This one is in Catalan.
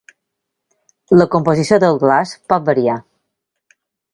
La composició del glaç pot variar.